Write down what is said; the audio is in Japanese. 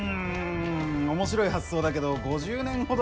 面白い発想だけど５０年ほど早いかな。